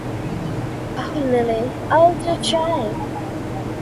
O Lilly, I do try!